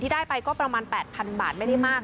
ที่ได้ไปก็ประมาณแปดพันบาดไม่ได้มาก